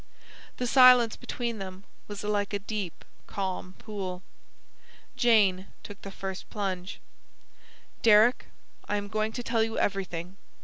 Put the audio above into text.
The silence between them was like a deep, calm pool. Jane took the first plunge. "Deryck, I am going to tell you everything.